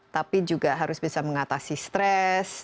tapi juga harus bisa mengatasi stres